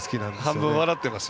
半分笑ってます。